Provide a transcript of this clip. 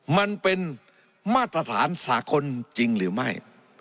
มันเป็นมาตรฐานสากลจริงหรือไม่